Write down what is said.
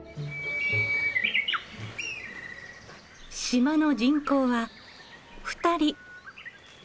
島の人口は２人。